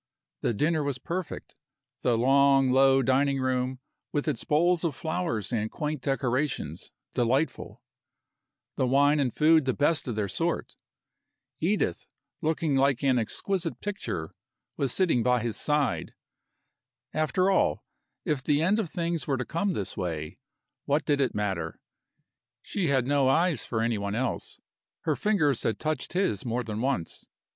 The dinner was perfect; the long, low dining room, with its bowls of flowers and quaint decorations, delightful; the wine and food the best of their sort. Edith, looking like an exquisite picture, was sitting by his side. After all, if the end of things were to come this way, what did it matter? She had no eyes for any one else, her fingers had touched his more than once.